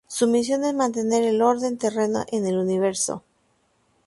Su misión es mantener el orden terreno en el universo.